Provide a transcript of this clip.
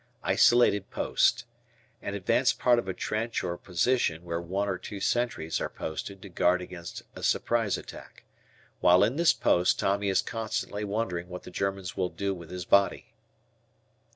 Isolated Post. An advanced part of a trench or position where one or two sentries are posted to guard against a surprise attack. While in this post Tommy is constantly wondering what the Germans will do with his body.